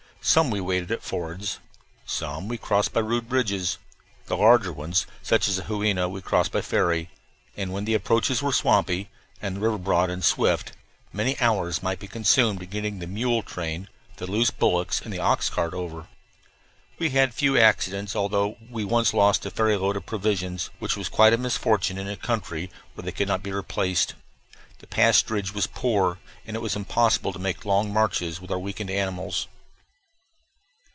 Some we waded at fords. Some we crossed by rude bridges. The larger ones, such as the Juina, we crossed by ferry, and when the approaches were swampy, and the river broad and swift, many hours might be consumed in getting the mule train, the loose bullocks, and the ox cart over. We had few accidents, although we once lost a ferry load of provisions, which was quite a misfortune in a country where they could not be replaced. The pasturage was poor, and it was impossible to make long marches with our weakened animals.